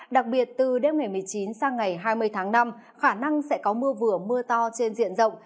đặc biệt từ đêm ngày một mươi chín sang ngày hai mươi tháng năm khả năng sẽ có mưa vừa mưa to trên diện rộng